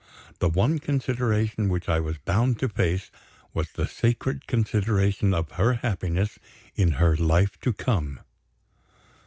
The one consideration which I was bound to face, was the sacred consideration of her happiness in her life to come.